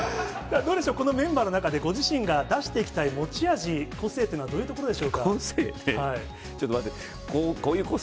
どうでしょう、このメンバーの中で、自身が出していきたい持ち味、個性というのは、どういうところ個性？